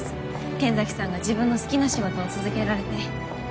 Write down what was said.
剣崎さんが自分の好きな仕事を続けられて。